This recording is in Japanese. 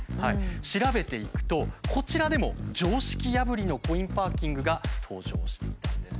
調べていくとこちらでも常識破りのコインパーキングが登場していたんです。